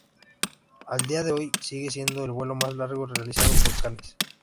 A día de hoy sigue siendo el vuelo más largo realizado por canes.